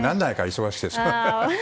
忙しくて。